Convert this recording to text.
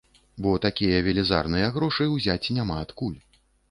Бо такія велізарныя грошы ўзяць няма адкуль.